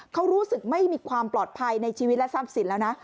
เขารู้สึกไม่มีความปลอดภัยในชีวิตและทรัพย์สินแล้วนะ